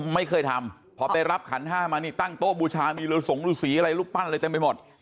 ไม่เคยทำพอไปรับขันห้ามานี่ตั้งโต๊ะบูชามีฤสงฤษีอะไรรูปปั้นอะไรเต็มไปหมด